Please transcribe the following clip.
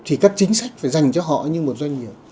thì các chính sách phải dành cho họ như một doanh nghiệp